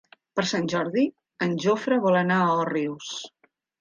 Per Sant Jordi en Jofre vol anar a Òrrius.